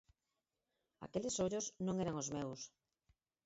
Aqueles ollos non eran os meus.